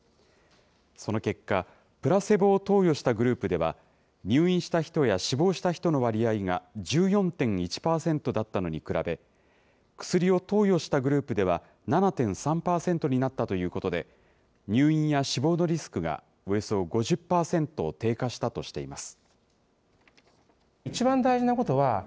その結果、プラセボを投与したグループでは、入院した人や死亡した人の割合が１４．１％だったのに比べ、薬を投与したグループでは７．３％になったということで、入院や死亡のリスクがおよそ５０％低下したとしています。